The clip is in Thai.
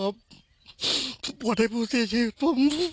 ผมปวดพ่อให้พูดเสียชีวิตผม